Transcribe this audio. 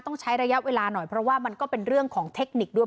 ต้องใช้ระยะเวลาหน่อยเพราะว่ามันก็เป็นเรื่องของเทคนิคด้วย